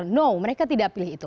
tidak mereka tidak memilih itu